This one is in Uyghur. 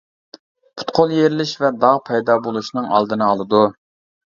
پۇت-قول يېرىلىش ۋە داغ پەيدا بولۇشنىڭ ئالدىنى ئالىدۇ.